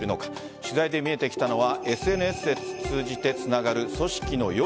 取材で見えてきたのはＳＮＳで通じてつながる組織の用意